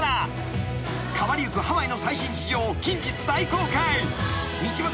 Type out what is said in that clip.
［変わりゆくハワイの最新事情を近日大公開］